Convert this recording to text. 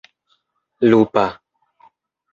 lupa